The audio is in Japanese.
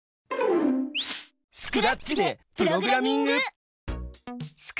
スクラッチでプログラミング！